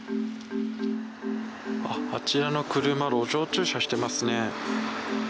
あちらの車路上駐車していますね。